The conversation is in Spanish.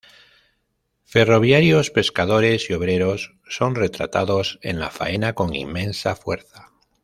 Ferroviarios, pescadores, y obreros son retratados en la faena con inmensa fuerza.